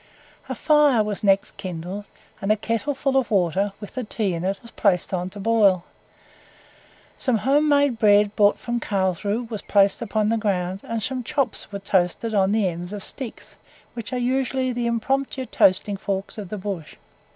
A fire was next kindled, and a kettle full of water (with the tea in it!) was placed on to boil, some home made bread, brought from Carlshrue, was placed upon the ground, and some chops were toasted on the ends of sticks, which are usually the impromptu toasting forks of the bush.